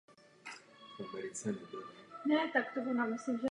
Město je několikrát zmíněno v Novém zákoně.